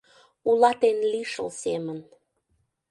Улат эн лишыл семын